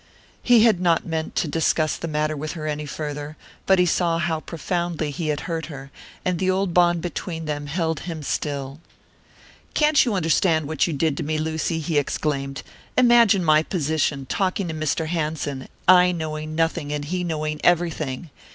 He had not meant to discuss the matter with her any further, but he saw how profoundly he had hurt her, and the old bond between them held him still. "Can't you understand what you did to me, Lucy?" he exclaimed. "Imagine my position, talking to Mr. Hanson, I knowing nothing and he knowing everything.